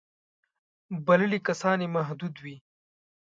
بللي کسان یې محدود وي.